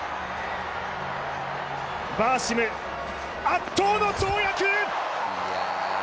バーシム、圧倒の跳躍。